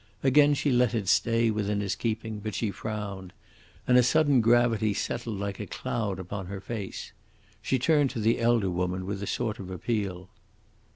Again she let it stay within his keeping, but she frowned, and a sudden gravity settled like a cloud upon her face. She turned to the elder woman with a sort of appeal.